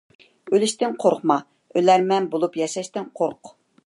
ئۆلۈشتىن قورقما، ئۆلەرمەن بولۇپ ياشاشتىن قورق.